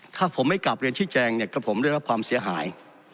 ถ้าผมไม่กลับเรียนชี้แจงเนี่ยก็ผมได้รับความเสียหาย